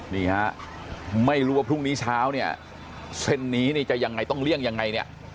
นี่ฮะไม่รู้ว่าพรุ่งนี้เช้าเนี่ยเส้นนี้นี่จะยังไงต้องเลี่ยงยังไงเนี่ย